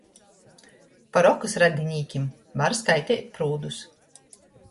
Par okys radinīkim var skaiteit prūdus.